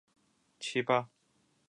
王中璇为台湾女性配音员。